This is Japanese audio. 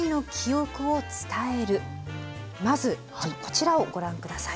まずこちらをご覧下さい。